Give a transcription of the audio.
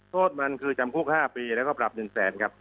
โทษมันคือจำคู่ค่า๕ปีแล้วก็ปรับ๑๐๐๐๐๐ครับ